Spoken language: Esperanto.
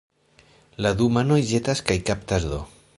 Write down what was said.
La du manoj ĵetas kaj kaptas do.